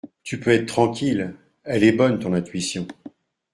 tu peux être tranquille. Elle est bonne, ton intuition.